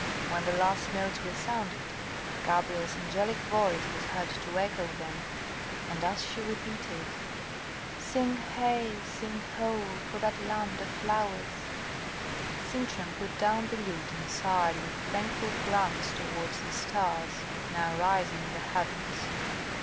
When the last notes were sounded, Gabrielle's angelic voice was heard to echo them; and as she repeated, "Sing heigh, sing ho, for that land of flowers," Sintram put down the lute, and sighed with a thankful glance towards the stars, now rising in the heavens.